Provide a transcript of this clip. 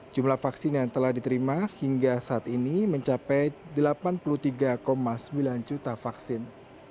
jumlah vaksin yang telah diterima hingga saat ini mencapai delapan puluh tiga sembilan juta vaksin